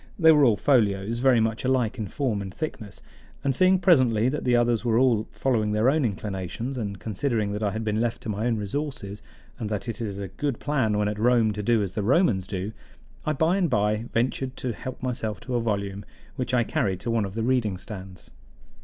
They were all folios, very much alike in form and thickness; and seeing presently that the others were all following their own inclinations, and considering that I had been left to my own resources and that it is a good plan when at Rome to do as the Romans do, I by and by ventured to help myself to a volume, which I carried to one of the reading stands.